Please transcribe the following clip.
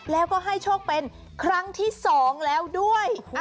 แล้วก็ให้โชคเป็นครั้งที่๒แล้วด้วย